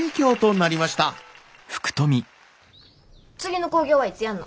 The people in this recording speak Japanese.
次の興行はいつやんの？